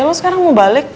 lo sekarang mau balik